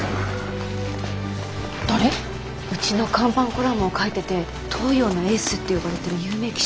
うちの看板コラムを書いてて東洋のエースって呼ばれてる有名記者。